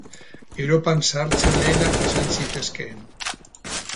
Europan sartzen lehenak izan zitezkeen.